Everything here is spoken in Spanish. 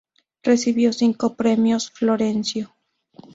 Recibió cinco premios Florencio.